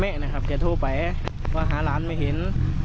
นะครับแกโทรไปว่าหาหลานไม่เห็น